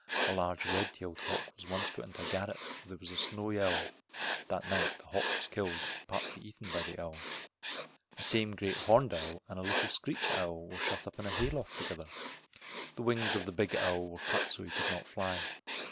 A large red tailed hawk was once put into a garret where there was a snowy owl. That night the hawk was killed and partly eaten by the owl. A tame great horned owl and a little screech owl were shut up in a hay loft together. The wings of the big owl were cut so he could not fly.